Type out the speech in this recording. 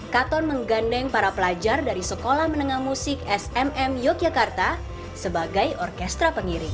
katon menggandeng para pelajar dari sekolah menengah musik smm yogyakarta sebagai orkestra pengiring